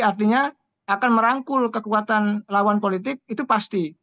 artinya akan merangkul kekuatan lawan politik itu pasti